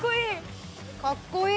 かっこいい！